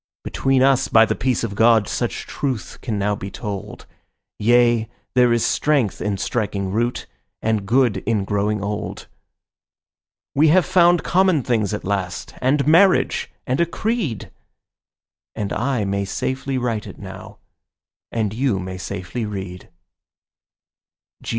Between us, by the peace of God, such truth can now be told; Yea, there is strength in striking root and good in growing old. We have found common things at last and marriage and a creed, And I may safely write it now, and you may safely read.